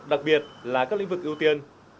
đặc biệt là các lĩnh vực ưu tiên